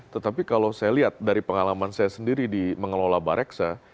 tetapi kalau saya lihat dari pengalaman saya sendiri di mengelola bareksa